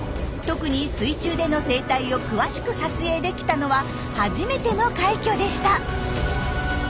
特に水中での生態を詳しく撮影できたのは初めての快挙でした。